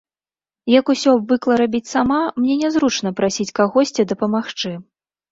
Я ўсё абвыкла рабіць сама, мне нязручна прасіць кагосьці дапамагчы.